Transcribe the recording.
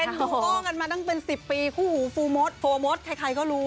ฮูโก้กันมาตั้งเป็น๑๐ปีคู่หูฟูมดโฟมดใครก็รู้